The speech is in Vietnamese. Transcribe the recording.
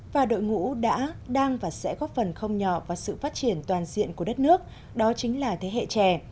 và đội ngũ đã đang và sẽ góp phần không nhỏ vào sự phát triển toàn diện của đất nước đó chính là thế hệ trẻ